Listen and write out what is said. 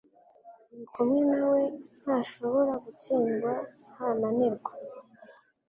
Uri kumwe na we ntashobora gutsindwa, ntananirwa,